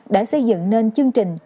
đã xây dựng nên chương trình